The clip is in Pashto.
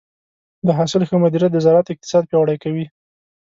د حاصل ښه مدیریت د زراعت اقتصاد پیاوړی کوي.